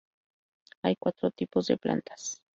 Hay cuatro tipos de plantas.